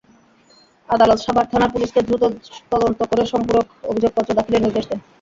আদালত সাভার থানার পুলিশকে দ্রুত তদন্ত করে সম্পূরক অভিযোগপত্র দাখিলের নির্দেশ দেন।